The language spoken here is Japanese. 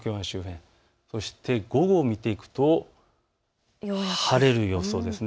そして午後を見ていくと晴れる予想です。